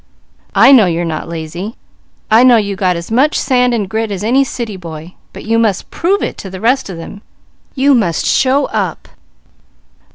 I know you're not lazy, and I know you got as much sand and grit as any city boy, but you must prove it to the rest of them. You must show up!"